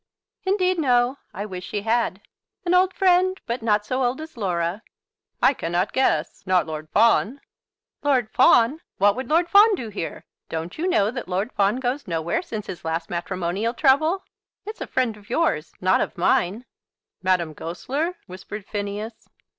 "Indeed, no; I wish she had. An old friend, but not so old as Laura!" "I cannot guess; not Lord Fawn?" "Lord Fawn! What would Lord Fawn do here? Don't you know that Lord Fawn goes nowhere since his last matrimonial trouble? It's a friend of yours, not of mine." "Madame Goesler?" whispered Phineas.